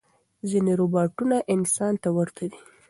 ځینې روباټونه انسان ته ورته دي.